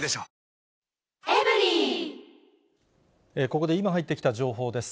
ここで今入ってきた情報です。